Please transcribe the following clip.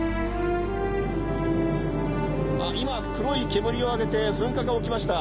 あっ今黒い煙を上げて噴火が起きました。